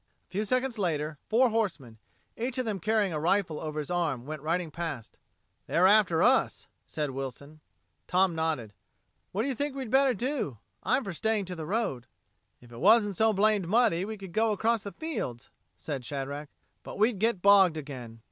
A few seconds later, four horsemen, each of them carrying a rifle over his arm, went riding past. "They're after us," said Wilson. Tom nodded. "What do you think we'd better do? I'm for staying to the road." "If it wasn't so blamed muddy we could go across the fields," said Shadrack, "but we'd get bogged again."